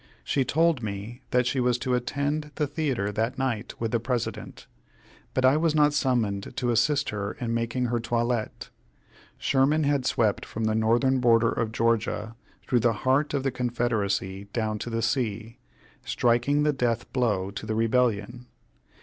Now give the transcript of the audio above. She told me that she was to attend the theatre that night with the President, but I was not summoned to assist her in making her toilette. Sherman had swept from the northern border of Georgia through the heart of the Confederacy down to the sea, striking the death blow to the rebellion.